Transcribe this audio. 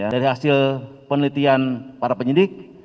dari hasil penelitian para penyidik